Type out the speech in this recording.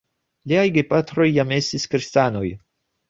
Liaj gepatroj jam estis kristanoj.